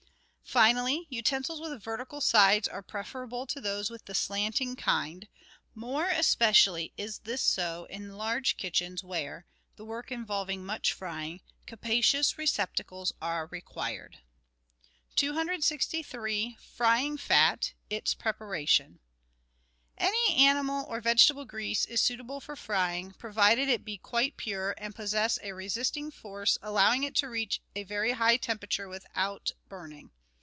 Finally, utensils with vertical sides are preferable to those with the slanting kind; more especially is this so in large kitchens where, the work involving much frying, capacious re ceptacles are required. 263— FRYING FAT— ITS PREPARATION Any animal or vegetable grease is suitable for frying, pro vided it be quite pure and possess a resisting force allowing it to reach a very high temperature without burning.